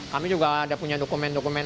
kami juga ada punya dokumen dokumen